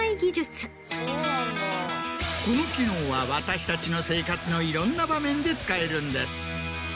この機能は私たちの生活のいろんな場面で使えるんです。